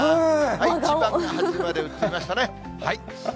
一番端まで映りましたね。